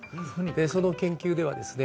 その研究ではですね